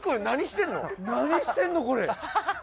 何してるのこれ。